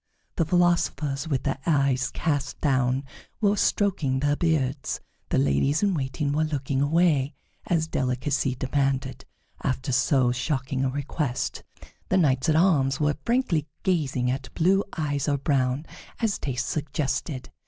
The philosophers, with their eyes cast down, were stroking their beards; the ladies in waiting were looking away, as delicacy demanded, after so shocking a request; the knights at arms were frankly gazing at blue eyes or brown, as taste suggested.